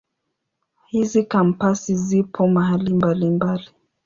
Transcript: Hizi Kampasi zipo mahali mbalimbali.